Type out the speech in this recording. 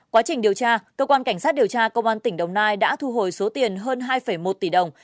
quá trình điều tra cơ quan cảnh sát điều tra công an tỉnh đồng nai đã thu hồi số tiền hơn hai một tỷ đồng